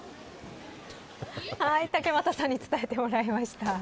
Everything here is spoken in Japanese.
竹俣さんに伝えてもらいました。